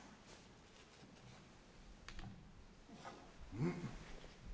うん。